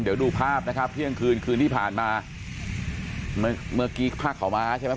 เดี๋ยวดูภาพนะครับเที่ยงคืนคืนที่ผ่านมาเมื่อเมื่อกี้ผ้าขาวม้าใช่ไหม